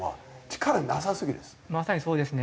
まさにそうですね。